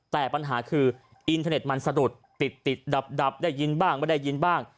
แต่ปัญหาคืออินเทอร์เน็ตมันสะดุดติดดับได้ยินบ้างไม่ได้ยินบ้าง